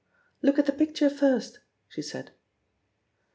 "Look at the picture first!" she said.